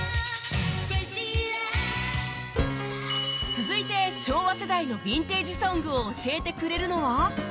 続いて昭和世代のヴィンテージ・ソングを教えてくれるのは？